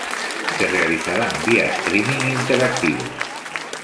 Se realizarán vía Streaming, interactivos.